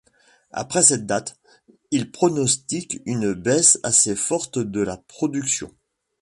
Après cette date, il pronostique une baisse assez forte de la production.